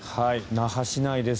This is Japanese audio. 那覇市内です。